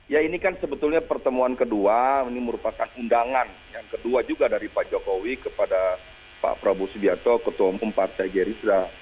ya ini kan sebetulnya pertemuan kedua ini merupakan undangan yang kedua juga dari pak jokowi kepada pak prabowo subianto ketua umum partai gerindra